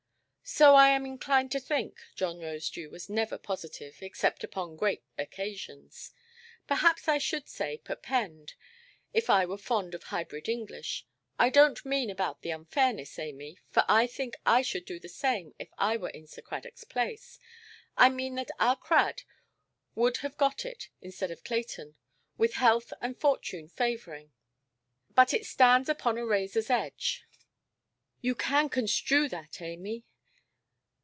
"So I am inclined to think"—John Rosedew was never positive, except upon great occasions—"perhaps I should say perpend, if I were fond of hybrid English. I donʼt mean about the unfairness, Amy; for I think I should do the same if I were in Sir Cradockʼs place. I mean that our Crad would have got it, instead of Clayton, with health and fortune favouring. But it stands upon a razorʼs edge, ἐπὶ ξυροῦς ἵσταται ἀκμῆς. You can construe that, Amy"?